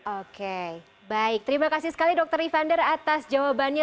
oke baik terima kasih sekali dokter ivander atas jawabannya